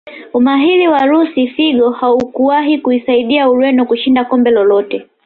Umahiri wa Lusi figo haukuwahi kuisaidia Ureno kushinda kombe lolote